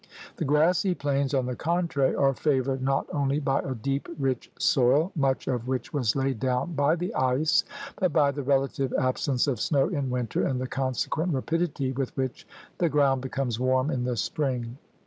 The grassy plains, on the contrary, are favored not only by a deep, rich soil, much of which was laid down by the ice, but by the relative absence of snow in winter and the consequent rapidity with which the ground becomes warm in the spring.